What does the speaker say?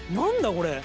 これ。